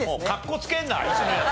かっこつけるな！